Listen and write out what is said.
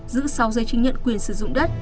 giữ sáu giới chứng nhận quyền sử dụng đất